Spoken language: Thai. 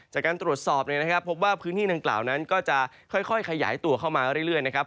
จากการตรวจสอบเนี่ยนะครับพบว่าพื้นที่ดังกล่าวนั้นก็จะค่อยขยายตัวเข้ามาเรื่อยนะครับ